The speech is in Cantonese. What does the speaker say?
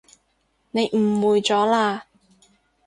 你誤會咗喇